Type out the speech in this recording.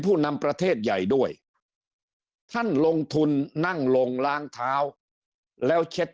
ผู้นำประเทศใหญ่ด้วยท่านลงทุนนั่งลงล้างเท้าแล้วเช็ด